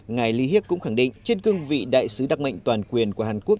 ngài ly hiếc cũng khẳng định trên cương vị đại sứ đặc mệnh toàn quyền của hàn quốc